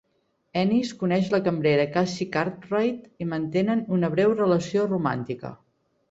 Ennis coneix la cambrera Cassie Cartwright i mantenen una breu relació romàntica.